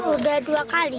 udah dua kali